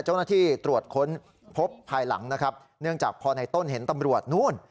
เจ้าหน้าที่ตรวจค้นพบภายหลังนะครับเนื่องจากพอในต้นเห็นตำรวจนู่น